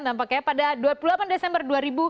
tampaknya pada dua puluh delapan desember dua ribu empat